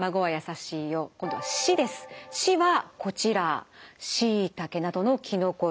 「し」はこちらしいたけなどのきのこ類。